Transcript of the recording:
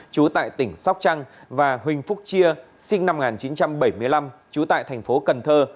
chú tại tỉnh sóc trăng và huỳnh phúc chia sinh năm một nghìn chín trăm bảy mươi năm trú tại thành phố cần thơ